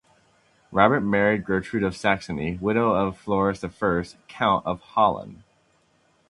Robert married Gertrude of Saxony, widow of Floris the First, Count of Holland.